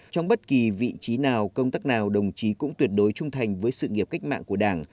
trong bất kỳ vị trí nào công tác nào đồng chí cũng tuyệt đối trung thành với sự nghiệp cách mạng của đảng